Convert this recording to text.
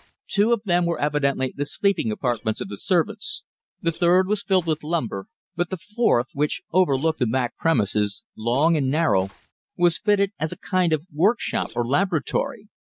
Two of them were evidently the sleeping apartments of the servants, the third was filled with lumber, but the fourth, which overlooked the back premises, long and narrow, was fitted as a kind of workshop or laboratory.